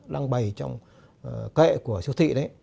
đang bày trong kệ của siêu thị đấy